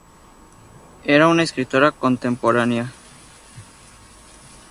Era una escritora contemporánea.